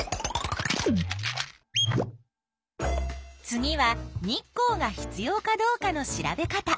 次は日光が必要かどうかの調べ方。